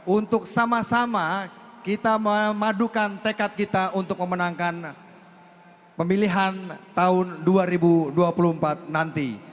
untuk sama sama kita memadukan tekad kita untuk memenangkan pemilihan tahun dua ribu dua puluh empat nanti